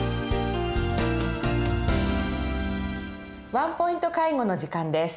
「ワンポイント介護」の時間です。